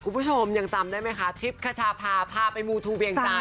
คุณผู้ชมยังจำได้มั้ยคะทริปขจาพาภาพไปวูทูเบียงจันทร์